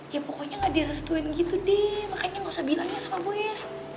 ya pokoknya gak direstuin gitu deh makanya gak usah bilangnya sama gue ya